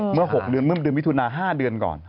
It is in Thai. เมื่อ๖เดือนเมื่อเดือนมิถุนา๕เดือนก่อน